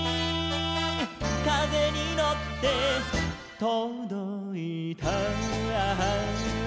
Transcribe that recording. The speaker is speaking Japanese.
「かぜにのってとどいた」